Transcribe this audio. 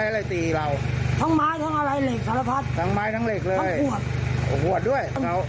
เรื่องหอย